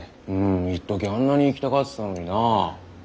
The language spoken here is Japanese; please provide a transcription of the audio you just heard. いっときあんなに行きたがってたのにな。